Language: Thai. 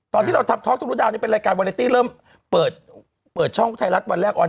ตอนที่เราทำทอร์คธรุดาวน์ดีมเป็นรายการวันเรตี้เริ่มเปิดช่องไทยรัฐวันแรก